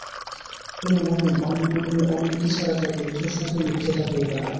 কোনো মুমিন অন্য মুমিনের অনুমতি ছাড়া তার বন্ধুর সঙ্গে মিত্রতা করবে না।